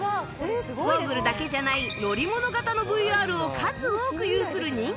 ゴーグルだけじゃない乗り物型の ＶＲ を数多く有する人気スポット